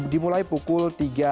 dimulai pukul tiga tiga puluh